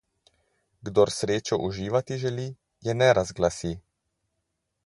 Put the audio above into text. Kdor srečo uživati želi, je ne razglasi.